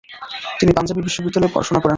তিনি পাঞ্জাবী বিশ্ববিদ্যালয়ে পড়াশোনা করেন।